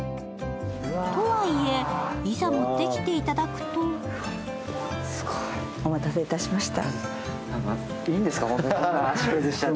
とはいえ、いざ持ってきていただくとお待たせいたしました。